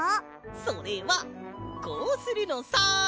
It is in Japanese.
それはこうするのさ！